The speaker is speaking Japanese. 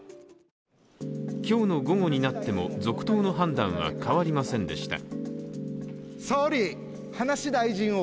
今日の午後になっても、続投の判断は変わりませんでした。